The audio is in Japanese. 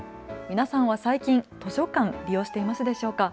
皆さんは最近、図書館、利用していますでしょうか。